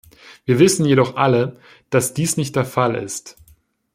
Wir wissen jedoch alle, dass dies nicht der Fall ist.